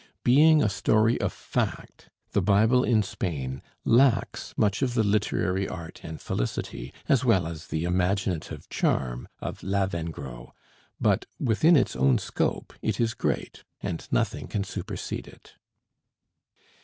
Being a story of fact, 'The Bible in Spain' lacks much of the literary art and felicity, as well as the imaginative charm, of 'Lavengro'; but within its own scope it is great, and nothing can supersede it.